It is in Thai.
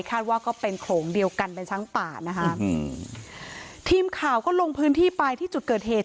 ว่าก็เป็นโขลงเดียวกันเป็นช้างป่านะคะอืมทีมข่าวก็ลงพื้นที่ไปที่จุดเกิดเหตุ